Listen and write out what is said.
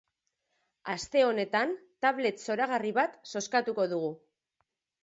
Aste honetan, tablet zoragarri bat zozkatuko dugu.